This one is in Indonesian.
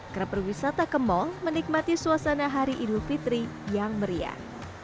kerapewisata ke mall menikmati suasana hari idul fitri yang meriah